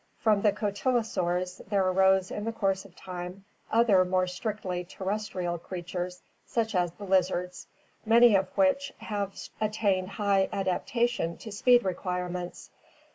From the cotylosaurs there arose in the course of time other more strictly terrestrial creatures such as the lizards, many of which have attained high adaptation to speed require ments.